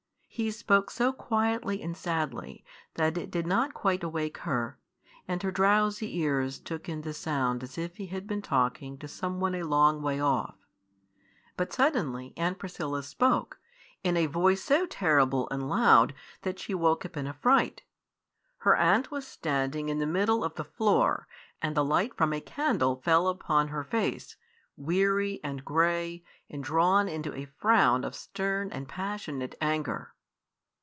He spoke so quietly and sadly that it did not quite awake her, and her drowsy ears took in the sound as if he had been talking to some one a long way off. But suddenly Aunt Priscilla spoke, in a voice so terrible and loud that she woke up in a fright. Her aunt was standing in the middle of the floor, and the light from a candle fell upon her face, weary and grey, and drawn into a frown of stern and passionate anger.